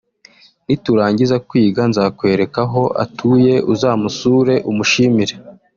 niturangiza kwiga nzakwereka aho atuye uzamusure umushimire